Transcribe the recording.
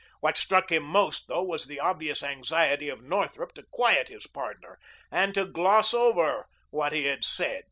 What struck him most, though, was the obvious anxiety of Northrup to quiet his partner and to gloss over what he had said.